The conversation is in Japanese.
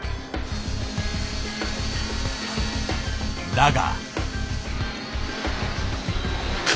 だが。